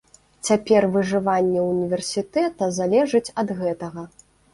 Цяпер выжыванне ўніверсітэта залежыць ад гэтага.